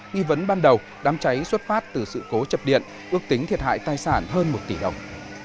nghi vấn ban đầu đám cháy xuất phát từ sự cố chập điện ước tính thiệt hại tài sản hơn một tỷ đồng